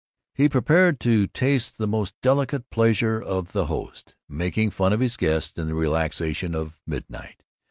He prepared to taste that most delicate pleasure of the host: making fun of his guests in the relaxation of midnight.